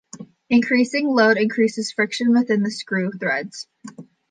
Increasing load increases friction within the screw threads.